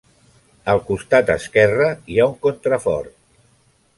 Al costat esquerre hi ha un contrafort.